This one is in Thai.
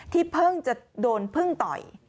เพิ่งจะโดนพึ่งต่อย